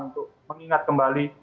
untuk mengingat kembali